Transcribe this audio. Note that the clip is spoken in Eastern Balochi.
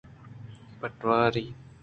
پٹواری